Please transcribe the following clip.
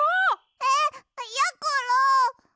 えっやころ！